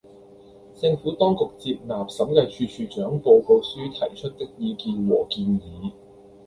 政府當局接納審計署署長報告書提出的意見和建議